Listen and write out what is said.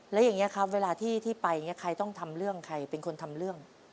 แล้วอย่างนี้ครับเวลาที่ไปอย่างนี้ใครต้องทำเรื่องใครเป็นคนทำเรื่อง